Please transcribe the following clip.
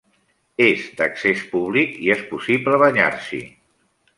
És d'accés públic i és possible banyar-s'hi.